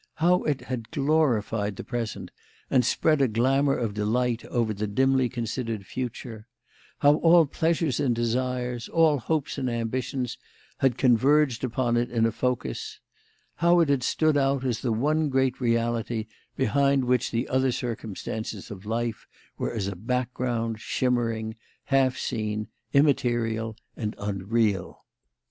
How it had glorified the present and spread a glamour of delight over the dimly considered future: how all pleasures and desires, all hopes and ambitions, had converged upon it as a focus; how it had stood out as the one great reality behind which the other circumstances of life were as a background, shimmering, half seen, immaterial, and unreal.